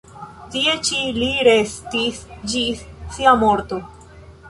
Tie ĉi li restis ĝis sia morto.